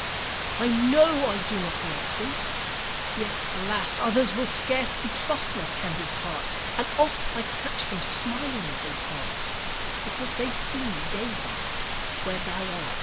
I know I do not love thee! yet, alas! Others will scarcely trust my candid heart; And oft I catch them smiling as they pass, Because they see me gazing where